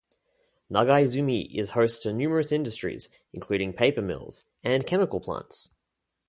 Nagaizumi is host to numerous industries, including paper mills, and chemical plants.